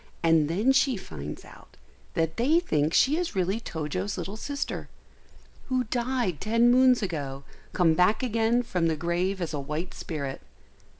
and then she finds out that they think she is really Tojo's little sister, who died ten moons ago, come back again from the grave as a white spirit.